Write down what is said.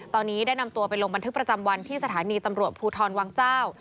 ตอนนี้ได้นำตัวไปลงบันทึกประจำวันที่สถานีตำรวจภูทรวังเจ้า